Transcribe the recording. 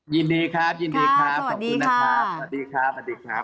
ยินดีครับยินดีครับขอบคุณนะครับสวัสดีครับสวัสดีครับ